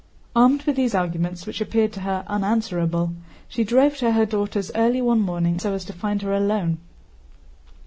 Armed with these arguments, which appeared to her unanswerable, she drove to her daughter's early one morning so as to find her alone.